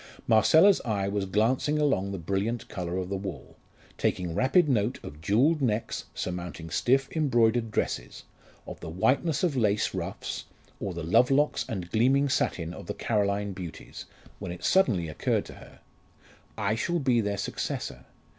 Marcella's eye was glancing along the brilliant colour of the wall, taking rapid note of jewelled necks surmounting stiff embroidered dresses, of the whiteness of lace ruffs, or the love locks and gleaming satin of the Caroline beauties, when it suddenly occurred to her, "I shall be their successor.